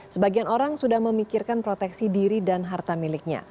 sebagian orang sudah memikirkan proteksi diri dan harta miliknya